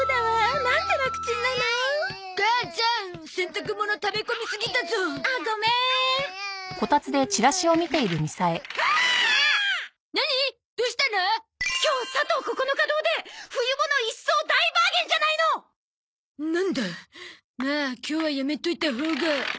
まあ今日はやめといたほうが。